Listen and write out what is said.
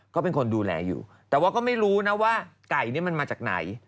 ก็เป็นคนดูแลอยู่แต่ว่าก็ไม่รู้นะว่าไก่นี้มันมาจากไหน